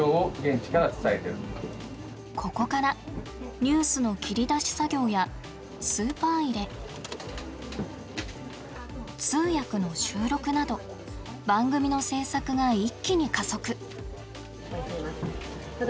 ここからニュースの切り出し作業やスーパー入れ通訳の収録など番組の制作が一気に加速。